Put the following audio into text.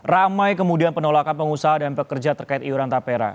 ramai kemudian penolakan pengusaha dan pekerja terkait iuran tapera